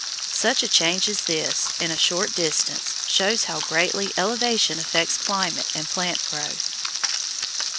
Such a change as this, in a short distance, shows how greatly elevation affects climate and plant growth.